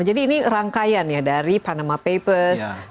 jadi ini rangkaian ya dari panama papers